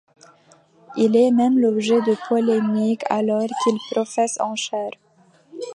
Il est même l'objet de polémiques alors qu'il professe en chaire.